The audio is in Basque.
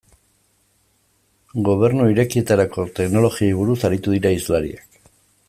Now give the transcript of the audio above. Gobernu Irekietarako teknologiei buruz aritu dira hizlariak.